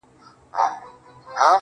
په عشق کي دومره رسميت هيڅ باخبر نه کوي_